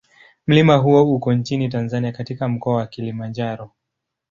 Mlima huo uko nchini Tanzania katika Mkoa wa Kilimanjaro.